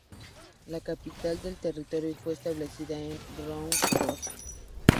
La capital del territorio fue establecida en Rawson.